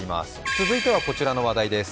続いてはこちらの話題です。